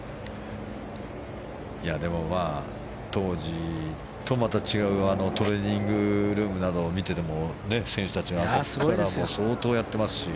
でも、まあ当時とまた違うトレーニングルームなどを見てても選手たちは相当やっていますし。